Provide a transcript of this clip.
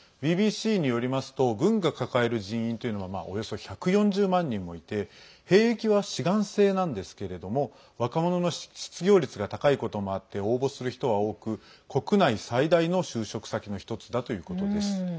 ＢＢＣによりますと軍が抱える人員というのはおよそ１４０万人もいて兵役は志願制なんですけれども若者の失業率が高いこともあって応募する人は多く国内最大の就職先の１つだということです。